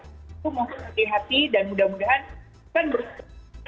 itu mohon hati hati dan mudah mudahan kan bersih